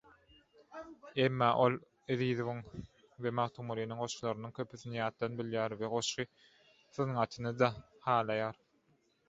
Emma ol Ezizowyň we Magtymgulynyň goşgylarynyň köpsini ýatdan bilýär we goşgy sungatyny-da halaýar.